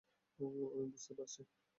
আমি বুঝতে পারছি!